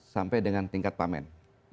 sampai dengan tingkat pamen